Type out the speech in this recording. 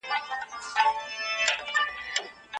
دا علم زموږ په ورځني ژوند کې مهم دی.